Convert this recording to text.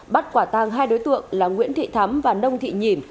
bắt quả tang hai đối tượng là nguyễn thị thắm và nông thị nhìm